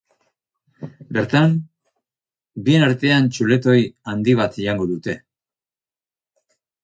Bertan, bien artean txuletoi handi bat jango dute.